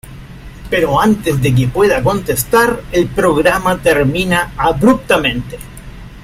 Pero antes de que pueda contestar, el programa termina abruptamente.